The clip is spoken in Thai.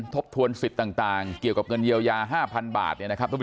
ทบทวนสิทธิ์ต่างเกี่ยวกับเงินเยียวยา๕๐๐๐บาท